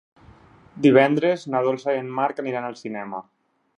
Divendres na Dolça i en Marc aniran al cinema.